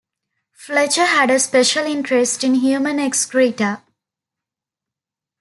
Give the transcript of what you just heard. Fletcher had a special interest in human excreta.